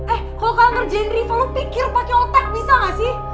eh kalo kalian ngerjain riva lo pikir pake otak bisa gak sih